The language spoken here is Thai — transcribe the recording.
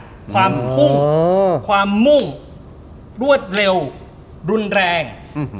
ข้อที่๓๘ความฟุ่มความมุ่งรวดเร็วรุนแรง